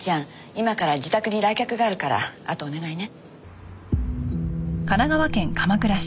今から自宅に来客があるからあとお願いね。